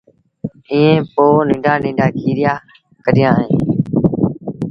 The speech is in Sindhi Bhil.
ائيٚݩ پو ننڍآ ننڍآ کيريآ ڪڍبآ اهيݩ